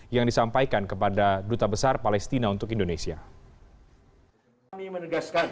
yang disampaikan kepada duta besar palestina